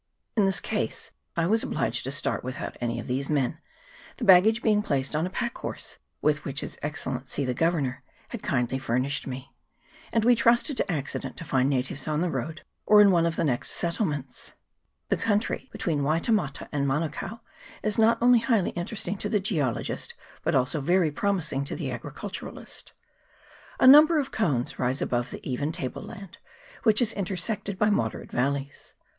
In this case I was obliged to start without any of these men, the baggage being placed on a packhorse with which his Excellency the Governor had kindly fur nished me; and we trusted to accident to find VOL. i. u 290 VOLCANIC CONES [PART II. natives on the road or in one of the next settle ments. The country between Waitemata and Manukao is not only highly interesting to the geologist, but also very promising to the agriculturist. A number of cones rise above the even table land, which is in tersected by moderate valleys.